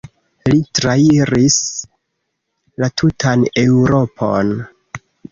Li trairis la tutan Eŭropon.